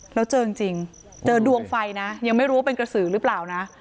แล้วเจอจริงเจอดวงไฟนะยังไม่รู้ว่าเป็นกระสือหรือเปล่านะ